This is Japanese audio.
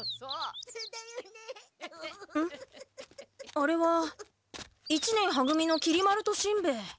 あれは一年は組のきり丸としんべヱ。